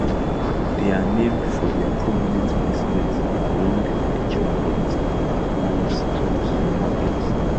They are named for their prominent placement along the checkout lines of supermarkets.